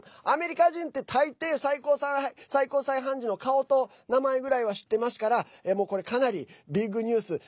アメリカ人って、たいてい最高裁判事の顔と名前ぐらいは知ってますからこれ、かなりビッグニュース。